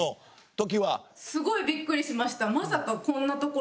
すごいびっくりしました。